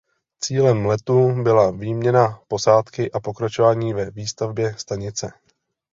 Cílem letu byla výměna posádky a pokračování ve výstavbě stanice.